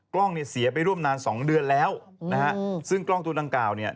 กล้องเนี่ยเสียไปร่วมนานสองเดือนแล้วนะฮะซึ่งกล้องตัวดังกล่าวเนี่ย